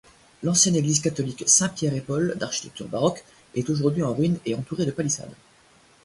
L'ancienne église catholique Saints-Pierre-et-Paul d'architecture baroque est aujourd'hui en ruines et entourée de palissades.